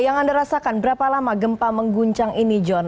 yang anda rasakan berapa lama gempa mengguncang ini john